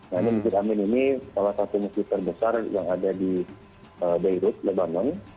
nah ini masjid amin ini salah satu masjid terbesar yang ada di beirut lebanon